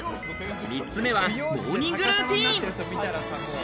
３つ目はモーニングルーティン。